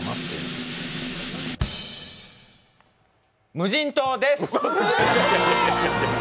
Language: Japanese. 無人島です！